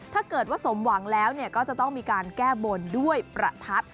ถ้าเกิดว่าสมหวังแล้วก็จะต้องมีการแก้บนด้วยประทัด